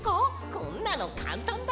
こんなのかんたんだよ。